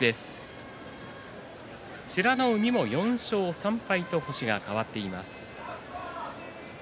美ノ海も４勝３敗と星が変わっています。